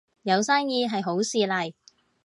有生意係好事嚟